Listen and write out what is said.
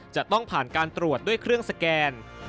จะต้องผ่านการตรวจด้วยเครื่องสแกน